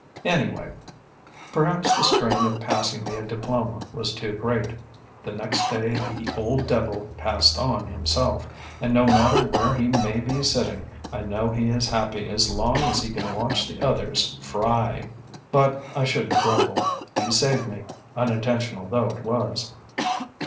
Anyway, perhaps the strain of passing me a diploma was too great. The next day the old devil passed on himself, and no matter where he may be sitting, I know he is happy as long as he can watch the others fry. But I shouldn't grumble. He saved me, unintentional though it was.